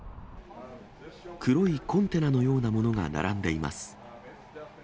黒いコンテナのようなものが並んでいます。